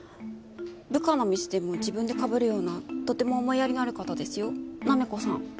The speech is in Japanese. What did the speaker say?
部下のミスでも自分で被るようなとても思いやりのある方ですよなめこさん。